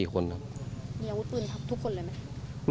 มีอาวุธปืนทับทุกคนเลยไหม